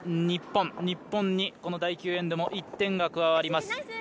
日本に、この第９エンドも１点が加わります。